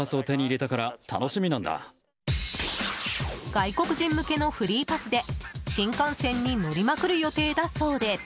外国人向けのフリーパスで新幹線に乗りまくる予定だそうで。